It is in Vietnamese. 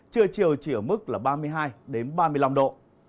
trưa chiều chỉ ở mức là ba mươi hai ba mươi năm độ